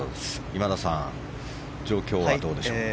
今田さん、状況はどうでしょう。